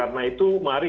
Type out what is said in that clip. karena itu mari